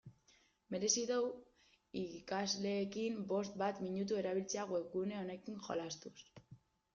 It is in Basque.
Merezi du ikasleekin bost bat minutu erabiltzea webgune honekin jolastuz.